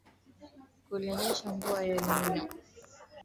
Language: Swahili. a amesema kuwa anafahamu atapata wakati mgumu katika bunge la wawakilishi